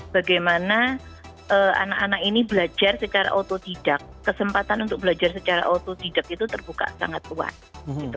bagaimana anak anak ini belajar secara otodidak kesempatan untuk belajar secara otodidak itu terbuka sangat kuat gitu